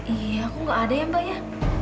iya kok nggak ada ya mbak ya